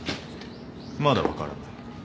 まだ分からない。